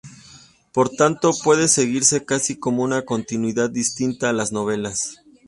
Por tanto puede seguirse casi como una continuidad distinta a las novelas.